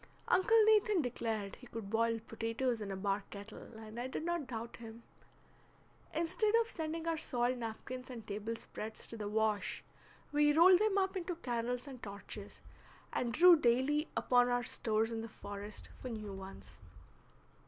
Uncle Nathan declared he could boil potatoes in a bark kettle, and I did not doubt him. Instead of sending our soiled napkins and table spreads to the wash, we rolled them up into candles and torches, and drew daily upon our stores in the forest for new ones.